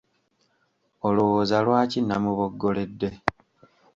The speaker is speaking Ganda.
Olowooza lwaki namuboggoledde?